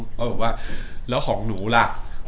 เขาบอกว่าแล้วของหนูล่ะ